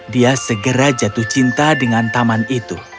dia segera jatuh cinta dengan taman itu